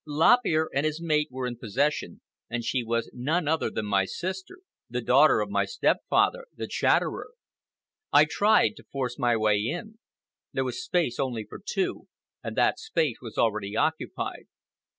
Lop Ear and his mate were in possession, and she was none other than my sister, the daughter of my step father, the Chatterer. I tried to force my way in. There was space only for two, and that space was already occupied.